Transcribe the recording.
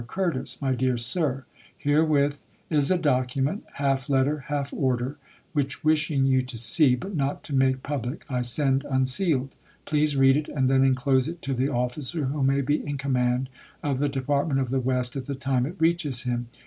Curtis. My Dear Sir : Herewith is a document — half letter, half order — which, wishing you to see, but not to make public, I send unsealed. Please read it, and then inclose it to the officer who may be in command of the Depart ment of the West at the time it reaches him.